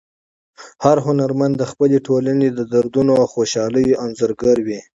هر هنرمند د خپلې ټولنې د دردونو او خوشحالیو انځورګر وي.